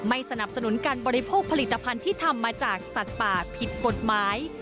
สนับสนุนการบริโภคผลิตภัณฑ์ที่ทำมาจากสัตว์ป่าผิดกฎหมาย